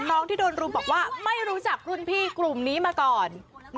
น้องที่โดนรุมบอกว่าไม่รู้จักรุ่นพี่กลุ่มนี้มาก่อน